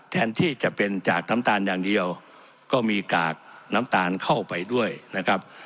แทนที่จะเป็นจากน้ำตาลอย่างเดียวก็มีกากน้ำตาลเข้าไปด้วยนะครับ